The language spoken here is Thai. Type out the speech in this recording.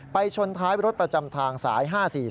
ชนท้ายรถประจำทางสาย๕๔๔